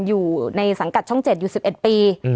อยู่ในสังกัดช่อง๗อยู่๑๑ปี